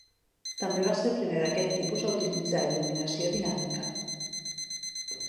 També va ser el primer d'aquest tipus a utilitzar il·luminació dinàmica.